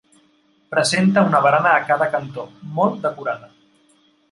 Presenta una barana a cada cantó, molt decorada.